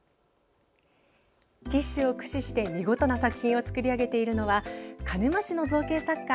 ティッシュを駆使して見事な作品を作り上げているのは鹿沼市の造形作家